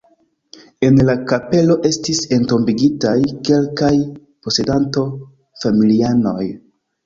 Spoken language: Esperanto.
En la kapelo estis entombigitaj kelkaj posedanto-familianoj.